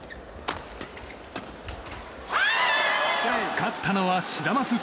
勝ったのはシダマツ！